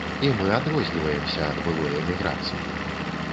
І мы адрозніваемся ад былой эміграцыі.